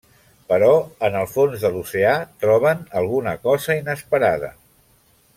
Però, en el fons de l'oceà, troben alguna cosa inesperada.